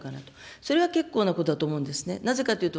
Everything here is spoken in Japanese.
それは結構なことだと思うんですね。